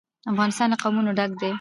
افغانستان له قومونه ډک دی.